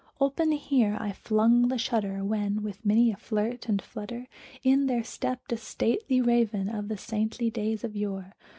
Open here I flung the shutter, when, with many a flirt and flutter, In there stepped a stately Raven of the saintly days of yore.